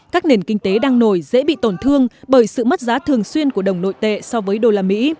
các nền kinh tế đang nổi dễ bị tổn thương bởi sự mất giá thường xuyên của đồng nội tệ so với đô la mỹ